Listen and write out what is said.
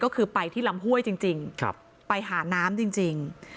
ก็คือไปที่ลำห้วยจริงไปหาน้ำจริง